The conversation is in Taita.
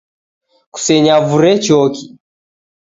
Kusenyavure choki